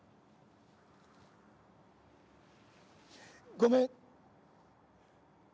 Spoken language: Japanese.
ごめん！